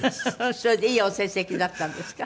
それでいいお成績だったんですか？